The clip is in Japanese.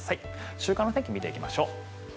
週間の天気を見ていきましょう。